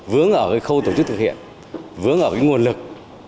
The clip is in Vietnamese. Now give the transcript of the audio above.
vướng ở khâu tổ chức thực hiện vướng ở nguồn lực